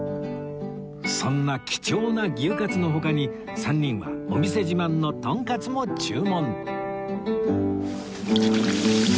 そんな貴重な牛かつの他に３人はお店自慢のとんかつも注文